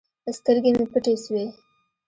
سترګې مې پټې سوې.